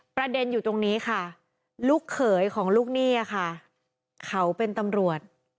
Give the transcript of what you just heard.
ประเด็นอยู่ตรงนี้ค่ะลูกเขยของลูกหนี้ค่ะเขาเป็นตำรวจ